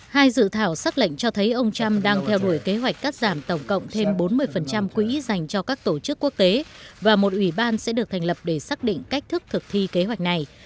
hai dự thảo xác lệnh cho thấy ông trump đang theo đuổi kế hoạch cắt giảm tổng cộng thêm bốn mươi quỹ dành cho các tổ chức quốc tế và một ủy ban sẽ được thành lập để xác định cách thức thực thi kế hoạch này